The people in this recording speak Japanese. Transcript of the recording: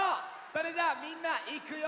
それじゃあみんないくよ！